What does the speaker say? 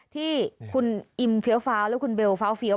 ที่คุณอิมฟิวเฟ้าและคุณเบลฟ้าวฟิว